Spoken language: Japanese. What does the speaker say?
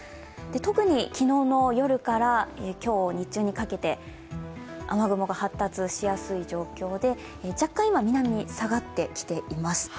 特に昨日の夜から今日日中にかけて雨雲が発達しやすい状況で若干今、南に下がってきています。